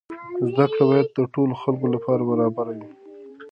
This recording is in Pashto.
زده کړه باید د ټولو خلکو لپاره برابره وي.